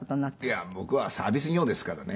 いや僕はサービス業ですからね。